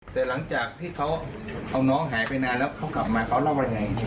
แต่หลังจากที่เขาเอาน้องหายไปนานแล้วเขากลับมาเขาเล่าว่ายังไง